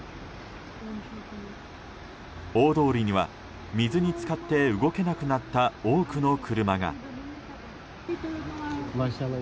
大通りには、水に浸かって動けなくなった多くの車が。